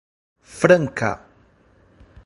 Franca